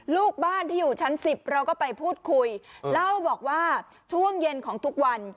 ลูกบ้านที่อยู่ชั้น๑๐เราก็ไปพูดคุยเล่าบอกว่าช่วงเย็นของทุกวัน